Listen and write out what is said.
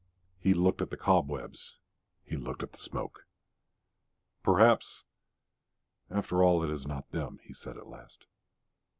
He looked at the cobwebs; he looked at the smoke. "Perhaps, after all, it is not them," he said at last.